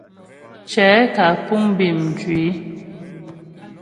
Cɛ̌ kǎ puŋ bí mjwǐ.